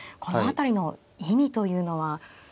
この辺りの意味というのは。